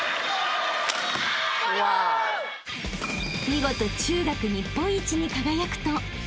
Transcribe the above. ［見事中学日本一に輝くと］